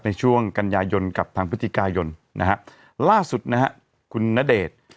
ในช่วงกันยายนกับทางพฤศจิกายนนะฮะล่าสุดนะฮะคุณณเดชน์